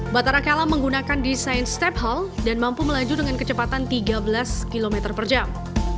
batara kala menggunakan desain step hall dan mampu melaju dengan kecepatan tiga belas km per jam